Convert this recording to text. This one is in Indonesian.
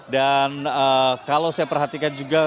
dan kalau saya perhatikan juga